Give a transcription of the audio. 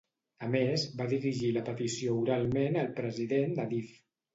A més, va dirigir la petició oralment al president d'Adif.